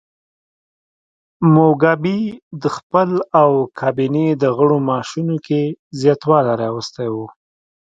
موګابي د خپل او کابینې د غړو معاشونو کې زیاتوالی راوستی و.